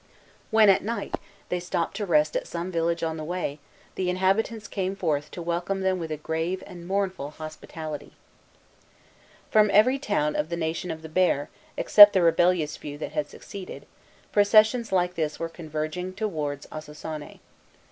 When, at night, they stopped to rest at some village on the way, the inhabitants came forth to welcome them with a grave and mournful hospitality. From every town of the Nation of the Bear, except the rebellious few that had seceded, processions like this were converging towards Ossossané.